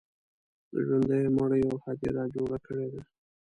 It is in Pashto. د ژوندو مړیو هدیره جوړه کړې ده.